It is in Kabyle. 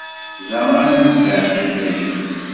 Da ara nesɛeddi akayad.